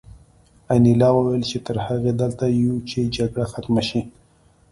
انیلا وویل چې تر هغې دلته یو چې جګړه ختمه شي